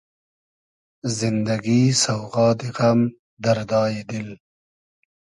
زیندئگی سۆغادی غئم , دئردای دیل